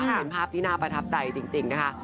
เป็นภาพที่น่าประทับใจจริงนะคะ